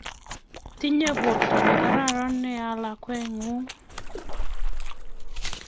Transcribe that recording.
Tinye porto ne kararan nea lakweng'ung'